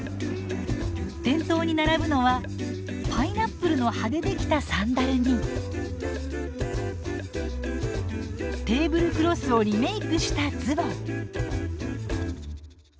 店頭に並ぶのはパイナップルの葉でできたサンダルにテーブルクロスをリメークしたズボン。